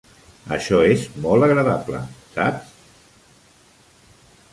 Això és molt agradable, saps!